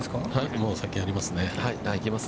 ◆もう先にやりますね。